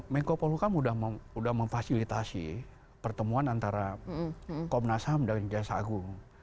menko polhukam sudah memfasilitasi pertemuan antara komnas ham dan jasa agung